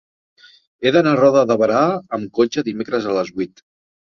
He d'anar a Roda de Berà amb cotxe dimecres a les vuit.